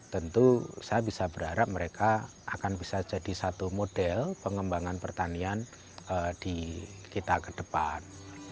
tentu saya bisa berharap mereka akan bisa jadi satu model pengembangan pertanian di kita ke depan